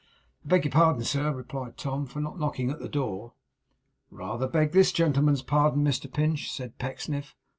'I beg your pardon, sir,' replied Tom, 'for not knocking at the door.' 'Rather beg this gentleman's pardon, Mr Pinch,' said Pecksniff.